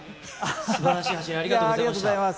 すばらしい走り、ありがとうございました。